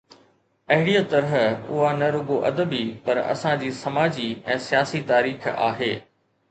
اهڙيءَ طرح اها نه رڳو ادبي، پر اسان جي سماجي ۽ سياسي تاريخ آهي.